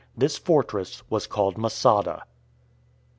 This fortress was called Masada.